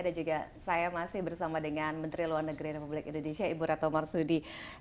juga saya masih bersama dengan menteri luar negeri republik indonesia ibu reto marsudi